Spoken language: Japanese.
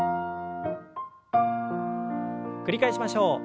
繰り返しましょう。